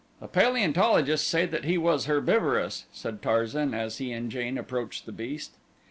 "The paleontologists say that he was herbivorous," said Tarzan as he and Jane approached the beast.